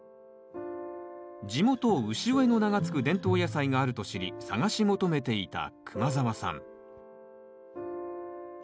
地元潮江の名が付く伝統野菜があると知り探し求めていた熊澤さん